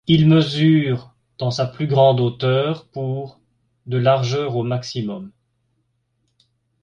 Il mesure dans sa plus grande hauteur pour de largeur au maximum.